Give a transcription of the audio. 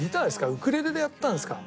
ウクレレでやったんですか？